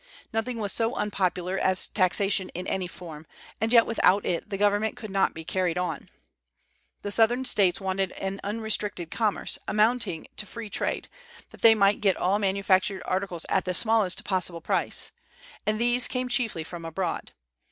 Nothing was so unpopular as taxation in any form, and yet without it the government could not be carried on. The Southern States wanted an unrestricted commerce, amounting to "free trade," that they might get all manufactured articles at the smallest possible price; and these came chiefly from abroad.